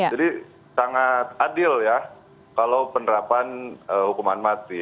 jadi sangat adil ya kalau penerapan hukuman mati